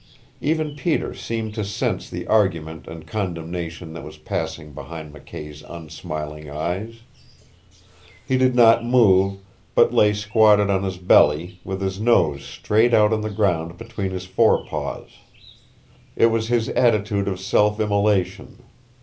Even Peter seemed to sense the argument and condemnation that was passing behind McKay's unsmiling eyes. He did not move, but lay squatted on his belly, with his nose straight out on the ground between his forepaws. It was his attitude of self immolation.